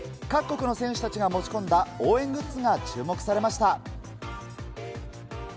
各国の選手たちが持ち込んだ応援グッズが注目されました。